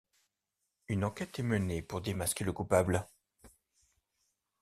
Une enquête est menée pour démasquer le coupable.